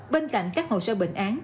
bên cạnh các hồ sơ bệnh án